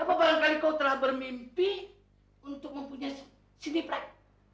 apa barangkali kau telah bermimpi untuk mempunyai cd pratt